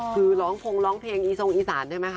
คือร้องพงร้องเพลงอีทรงอีสานใช่ไหมค